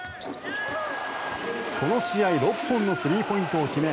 この試合６本のスリーポイントを決め